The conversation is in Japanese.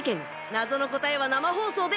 謎の答えは生放送で！